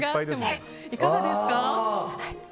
いかがですか。